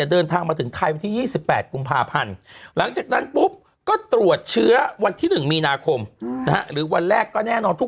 ได้เดินทางมาถึงไทยตอนที่๒๘กรุงพาพันธุ์